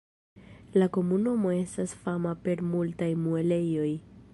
La komunumo estas fama per multaj muelejoj.